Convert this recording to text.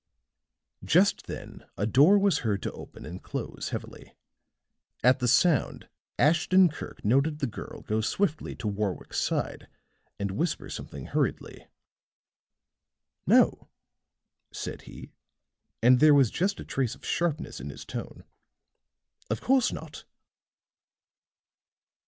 Just then a door was heard to open and close heavily. At the sound Ashton Kirk noted the girl go swiftly to Warwick's side and whisper something hurriedly. "No," said he, and there was just a trace of sharpness in his tone. "Of course not."